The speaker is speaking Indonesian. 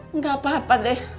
enggak apa dede